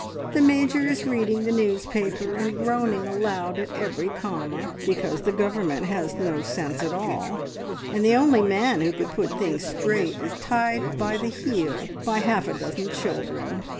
The Major is reading the newspaper, and groaning aloud at every comma, because the Government has no sense at all, and the only man who could put things straight is tied by the heel by half a dozen children.